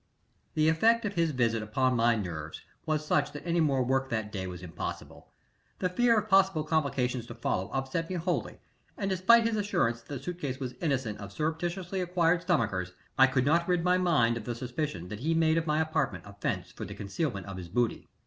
The effect of his visit upon my nerves was such that any more work that day was impossible. The fear of possible complications to follow upset me wholly, and, despite his assurance that the suit case was innocent of surreptitiously acquired stomachers, I could not rid my mind of the suspicion that he made of my apartment a fence for the concealment of his booty.